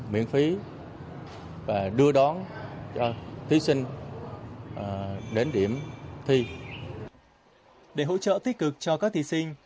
để hỗ trợ tích cực cho các thí sinh